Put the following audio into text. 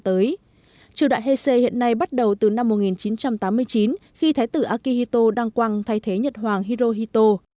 triều đại hc hiện nay bắt đầu từ năm một nghìn chín trăm tám mươi chín khi thái tử akihito đang quăng thay thế nhật hoàng hirohito